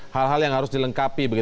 hal hal yang harus dilengkapi